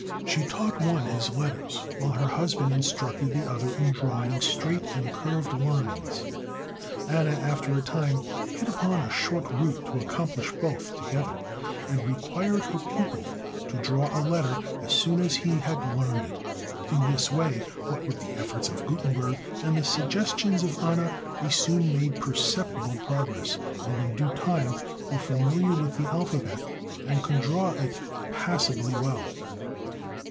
She taught one his letters, while her husband instructed the other in drawing straight and curved lines. Anna, after a time, hit upon a short route to accomplish both together, and required her pupil to draw a letter as soon as he had learned it. In this way, what with the efforts of Gutenberg, and the suggestions of Anna, they soon made perceptible progress, and in due time were familiar with the alphabet, and could draw it passably well.